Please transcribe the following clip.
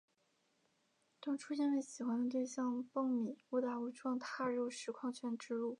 当初因为喜欢的对象蹦米误打误撞踏入实况圈之路。